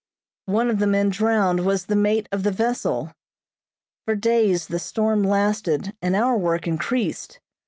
One of the men drowned was the mate of the vessel. For days the storm lasted and our work increased.